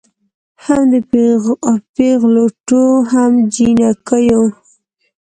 هم د پېغلوټو هم جینکیو